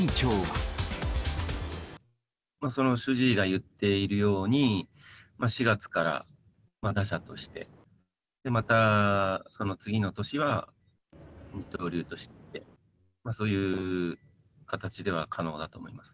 その主治医が言っているように、４月から打者として、またその次の年は二刀流として、そういう形では可能だと思います。